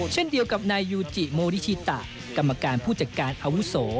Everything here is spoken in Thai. เช่นเดียวกับนายยูจิโมนิชิตะกรรมการผู้จัดการอาวุโส